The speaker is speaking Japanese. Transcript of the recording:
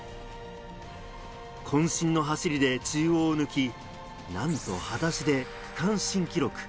渾身の走りで中央を抜き、なんと裸足で区間新記録。